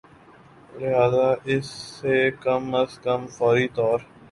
لہذا اسے کم از کم فوری طور